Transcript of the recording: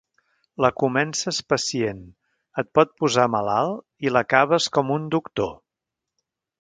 La comences pacient, et pot posar malalt i l'acabes com un doctor.